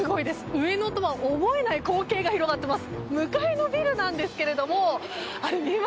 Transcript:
上野とは思えない光景が広がっています。